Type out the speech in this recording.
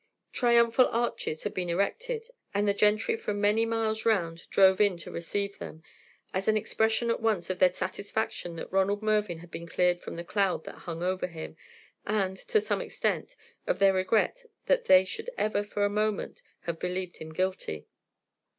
Triumphal arches had been erected, and the gentry for many miles round drove in to receive them, as an expression at once of their satisfaction that Ronald Mervyn had been cleared from the cloud that hung over him, and, to some extent, of their regret that they should ever for a moment have believed him guilty.